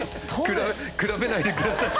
比べないでください！